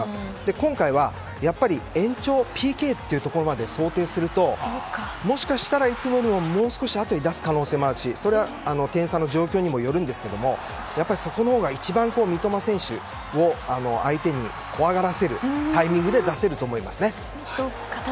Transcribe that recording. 今回は延長やＰＫまで想定するともしかしたら、いつもよりもう少しあとに出すかもしれないしそれは点差の状況にもよるんですがそこのほうが一番、三笘選手を相手に怖がらせるタイミングで出せると思いますね。